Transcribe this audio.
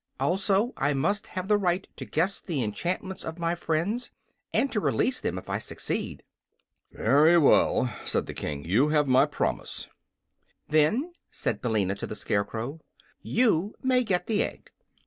Also I must have the right to guess the enchantments of my friends, and to release them if I succeed." "Very well," said the King. "You have my promise." "Then," said Billina to the Scarecrow, "you may get the egg."